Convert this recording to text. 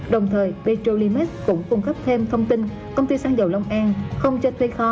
đồng thời petrolimax cũng cung cấp thêm thông tin công ty xăng dầu long an không cho thuê kho